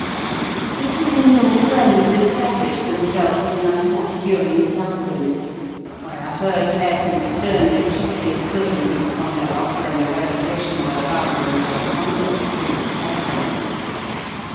The two new friends established themselves in the house during his absence; where I heard Hareton sternly check his cousin, on her offering a revelation of her father in law's conduct to his father.